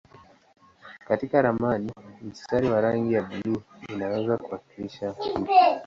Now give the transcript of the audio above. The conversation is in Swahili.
Katika ramani mstari wa rangi ya buluu unaweza kuwakilisha mto.